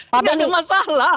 tidak ada masalah